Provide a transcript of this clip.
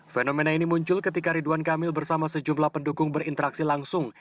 fenomena ini muncul ketika ridwan kamil bersama sejumlah pendukung berinteraksi langsung